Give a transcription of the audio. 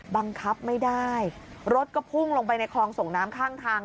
บังคับไม่ได้รถก็พุ่งลงไปในคลองส่งน้ำข้างทาง